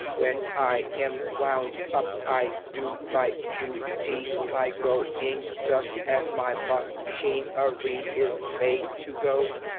When I am wound up I do my du ty by go ing just as my ma chin er y is made to go.